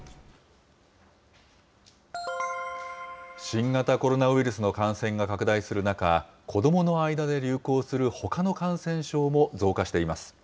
新型コロナウイルスの感染が拡大する中、子どもの間で流行する、ほかの感染症も増加しています。